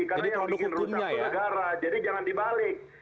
karena yang bikin rusak itu negara jadi jangan dibalik